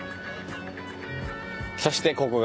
そしてここが。